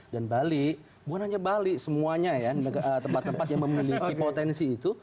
dan bali bukan hanya bali semuanya tempat tempat yang memiliki potensi itu